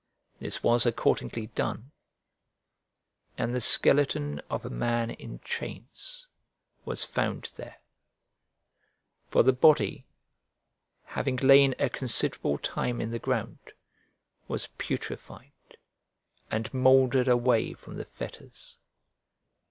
This was accordingly done, and the skeleton of a man in chains was found there; for the body, having lain a considerable time in the ground, was putrefied and mouldered away from the fetters.